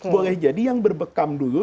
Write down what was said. boleh jadi yang berbekam dulu